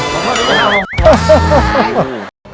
ขอโทษนะครับผม